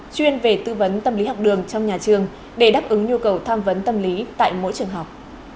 chuyên về tư vấn tâm lý học đường trong nhà trường để đáp ứng nhu cầu tham vấn tâm lý tại mỗi trường học